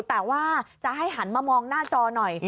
แต่ว่าจะให้หันมามองหน้าจอหน่อย